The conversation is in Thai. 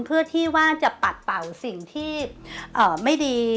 เพื่อที่ว่าจะปัดเป่าสิ่งที่ไม่ดี